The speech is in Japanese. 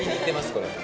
これ。